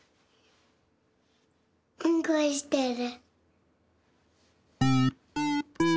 うんこしてる。